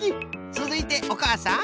つづいておかあさん。